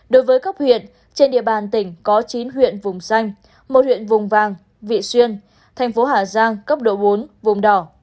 đối với cấp huyện trên địa bàn tỉnh có chín huyện vùng xanh một huyện vùng vang vị xuyên thành phố hà giang cấp độ bốn vùng đỏ